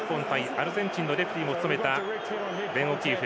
アルゼンチンのレフリーも務めたベン・オキーフ。